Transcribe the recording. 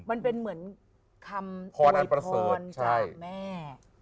มันเป็นเหมือนคำพรจากแม่